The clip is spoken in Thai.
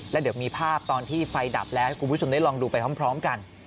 แล้วเดี๋ยวมีภาพตอนที่ไฟดับแล้วให้คุณผู้ชมได้ลองดูไปพร้อมกัน